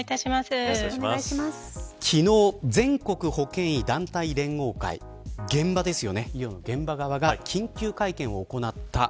昨日、全国保険医団体連合会医療の現場側が緊急会見を行った。